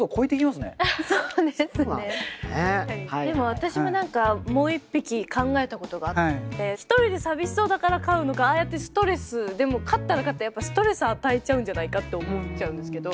私ももう一匹考えたことがあって一人で寂しそうだから飼うのかああやってストレスでも飼ったら飼ったでやっぱストレス与えちゃうんじゃないかって思っちゃうんですけど。